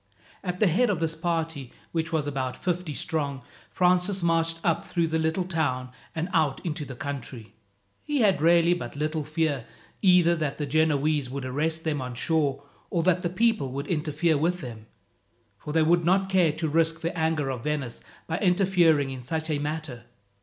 At the head of this party, which was about fifty strong, Francis marched up through the little town and out into the country. He had really but little fear, either that the Genoese would arrest them on shore, or that the people would interfere with them, for they would not care to risk the anger of Venice by interfering in such a matter.